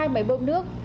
hai máy bơm nước